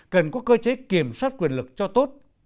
cần có cơ chế kiểm soát quyền lực cho tốt